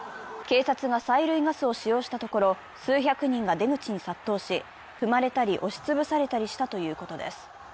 警察が催涙ガスを使用したところ、数百人が出口に殺到し、踏まれたり押し潰されたりしたということです。